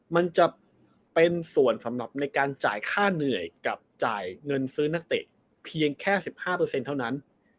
มันจะเป็นส่วนสำหรับในการจ่ายค่าเหนื่อยกับจ่ายเงินซื้อนักเตะเพียงแค่๑๕เท่านั้น